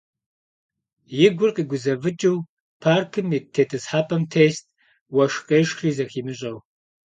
И гур къигузэвыкӀыу паркым ит тетӀысхьэпӀэм тест, уэшх къешхри зыхимыщӀэу.